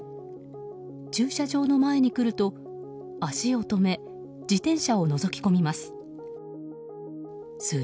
駐車場の前に来ると、足を止め自転車をのぞき込みます。